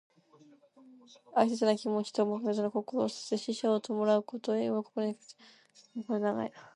哀切な気持ちと誠の心をささげて死者を弔うこと。「銜」は心に抱く意で、「銜哀」は哀しみを抱くこと、「致誠」は真心をささげる意。人の死を悼む時に用いる語。「哀を銜み誠を致す」とも読む。